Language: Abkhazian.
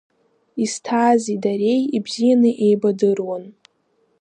Изҭаази дареи ибзианы еибадыруан.